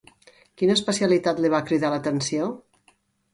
Quina especialitat li va cridar l'atenció?